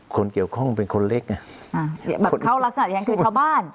คนเกี่ยวข้องเป็นคนเล็กไงอ่าแบบเขารักษณะอย่างนั้นคือชาวบ้าน